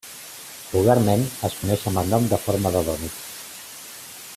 Vulgarment, es coneix amb el nom de forma de dònut.